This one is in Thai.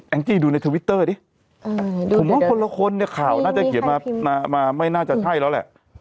จี้ดูในทวิตเตอร์ดิผมว่าคนละคนเนี่ยข่าวน่าจะเขียนมาไม่น่าจะใช่แล้วแหละ